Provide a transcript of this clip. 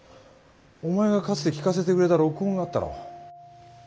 お前がかつて聞かせてくれた録音があったろ。